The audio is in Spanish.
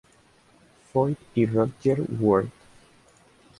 Foyt y Rodger Ward.